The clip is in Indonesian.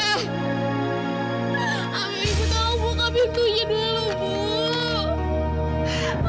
amir ibu tahu bu kamu yang tuntuhnya dulu bu